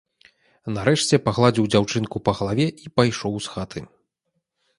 Нарэшце пагладзіў дзяўчынку па галаве і пайшоў з хаты.